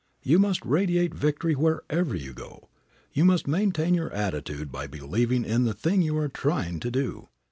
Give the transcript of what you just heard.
You must radiate victory wherever you go. You must maintain your attitude by believing in the thing you are trying to do.